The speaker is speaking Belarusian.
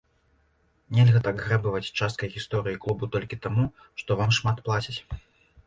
Нельга так грэбаваць часткай гісторыі клубу толькі таму, што вам шмат плацяць.